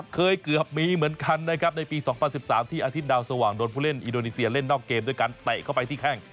เกือบมีเหมือนกันนะครับในปี๒๐๑๓ที่อาทิตดาวสว่างโดนผู้เล่นอินโดนีเซียเล่นนอกเกมด้วยการเตะเข้าไปที่แข้ง